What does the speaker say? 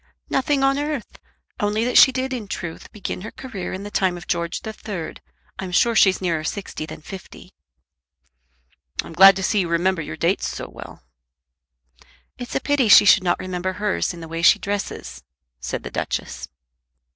"Nothing on earth, only that she did in truth begin her career in the time of George the Third. I'm sure she's nearer sixty than fifty." "I'm glad to see you remember your dates so well." "It's a pity she should not remember hers in the way she dresses," said the Duchess.